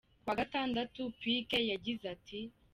Ku wa gatandatu, Piqué yagize ati:.